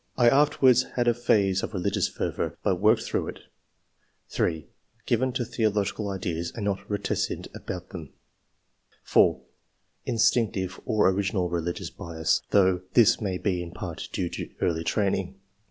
I afterwards had a phase of religious fervour, but worked through it." 3. *' Given to theological ideas, and not reticent about them." 4. "Instinctive (or n.J QUALITIES. 131 original) religious bias, though this may be in part due to early training.